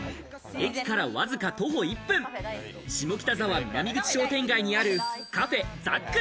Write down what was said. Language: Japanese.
駅から、わずか徒歩１分、下北沢南口商店街にあるｃａｆｅＺＡＣ。